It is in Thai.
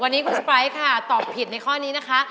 วันนี้คุณสไปร์ค่ะตอบผิดในข้อนี้นะคะ